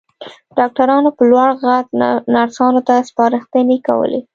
ډاکټرانو په لوړ غږ نرسانو ته سپارښتنې کولې.